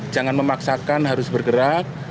jangan memaksakan harus bergerak